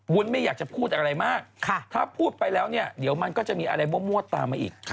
ไม่อยากจะพูดอะไรมากถ้าพูดไปแล้วเนี่ยเดี๋ยวมันก็จะมีอะไรมั่วตามมาอีก